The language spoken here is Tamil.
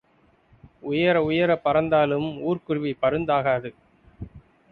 உயர உயர பறந்தாலும் ஊர்க்குருவி பருந்தாகாது